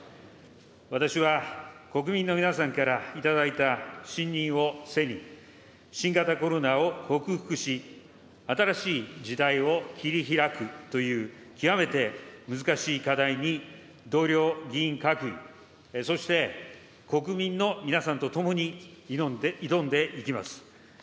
私は、国民の皆さんから頂いた信任を背に、新型コロナを克服し、新しい時代を切りひらくという極めて難しい課題に同僚議員各位、そして国民の皆さんと共に、挑んでいきます。